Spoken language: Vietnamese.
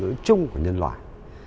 ngôn ngữ chung của nhân loại